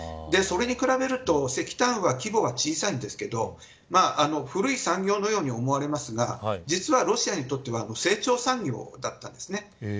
それに比べると石炭は規模が小さいんですが古い産業のように思われますが実は、ロシアにとっては成長産業だったんです。